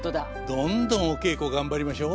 どんどんお稽古頑張りましょう。